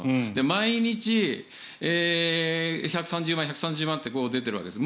毎日１３０万円、１３０万円って出ているわけです。